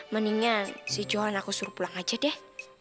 mendingnya si johan aku suruh pulang aja deh